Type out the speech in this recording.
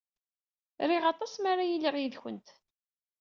Riɣ aṭas mi ara iliɣ yid-went.